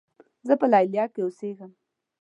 زۀ په لیلیه کې اوسېږم.